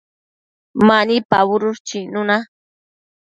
Mani pabudush chicnuna